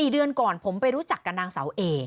๔เดือนก่อนผมไปรู้จักกับนางเสาเอ